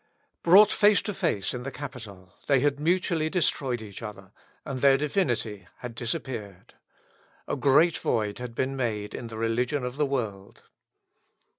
Brought face to face in the Capitol, they had mutually destroyed each other, and their divinity had disappeared. A great void had been made in the religion of the world.